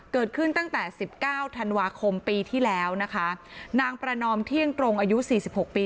เกิดขึ้นตั้งแต่สิบเก้าธันวาคมปีที่แล้วนะคะนางประนอมเที่ยงตรงอายุสี่สิบหกปี